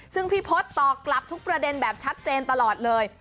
ซึ่งพี่พศตอบกลับทุกประเด็นแบบชัดเจนตลอดเลย